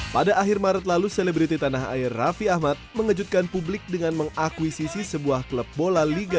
pada akhir maret lalu selebriti tanah air raffi ahmad mengejutkan publik dengan mengakuisisi sebuah klub bola liga satu